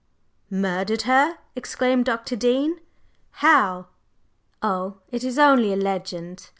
"Murdered her!" exclaimed Dr. Dean. "How?" "Oh, it is only a legend!"